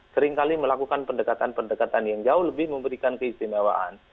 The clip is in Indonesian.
seringkali melakukan pendekatan pendekatan yang jauh lebih memberikan keistimewaan